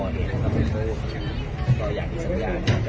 อันนี้ก็คือข้ามีเตียง